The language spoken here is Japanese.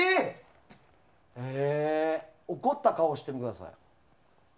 怒った顔をしてみてください。